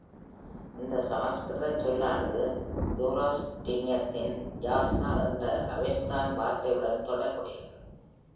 இந்த சமஸ்கிருதச் சொல்லானது, ஜோராஸ்ட்ரியனிசத்தின் "யாஸ்னா" என்ற அவெஸ்தான் வார்த்தையுடன் தொடர்புடையது.